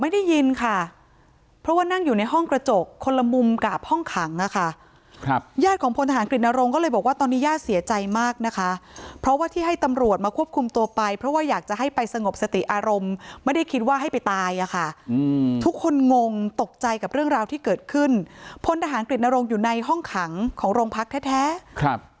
ได้ยินค่ะเพราะว่านั่งอยู่ในห้องกระจกคนละมุมกับห้องขังอ่ะค่ะครับญาติของพลทหารกฤตนรงค์ก็เลยบอกว่าตอนนี้ย่าเสียใจมากนะคะเพราะว่าที่ให้ตำรวจมาควบคุมตัวไปเพราะว่าอยากจะให้ไปสงบสติอารมณ์ไม่ได้คิดว่าให้ไปตายอ่ะค่ะอืมทุกคนงงตกใจกับเรื่องราวที่เกิดขึ้นพลทหารกฤตนรงอยู่ในห้องขังของโรงพักแท้แท้ครับ